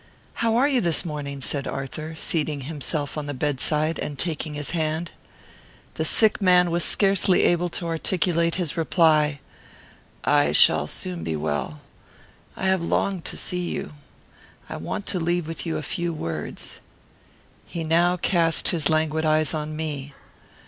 "How are you this morning?" said Arthur, seating himself on the bedside, and taking his hand. The sick man was scarcely able to articulate his reply: "I shall soon be well. I have longed to see you. I want to leave with you a few words." He now cast his languid eyes on me.